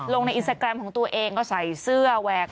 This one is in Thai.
ลงในอินสตาแกรมของตัวเองก็ใส่เสื้อแหวก